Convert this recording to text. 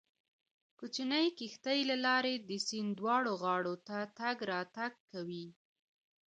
کوچنۍ کښتۍ له لارې د سیند دواړو غاړو ته تګ راتګ کوي